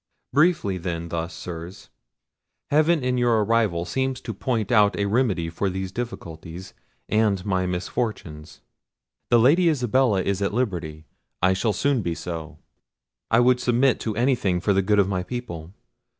Briefly, then, thus, Sirs. Heaven in your arrival seems to point out a remedy for these difficulties and my misfortunes. The Lady Isabella is at liberty; I shall soon be so. I would submit to anything for the good of my people.